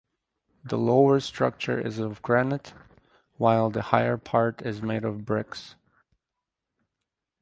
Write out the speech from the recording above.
The lower structure is of granite while the higher part is made of bricks.